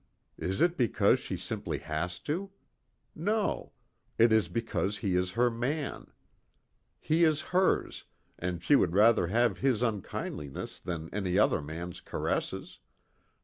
Is it because she simply has to? No. It is because he is her man. He is hers, and she would rather have his unkindness than another man's caresses.